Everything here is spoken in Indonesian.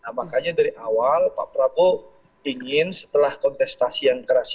nah makanya dari awal pak prabowo ingin setelah kontestasi yang keras